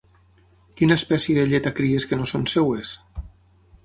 Quina espècie alleta cries que no són seves?